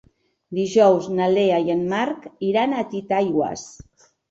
Dijous na Lea i en Marc iran a Titaigües.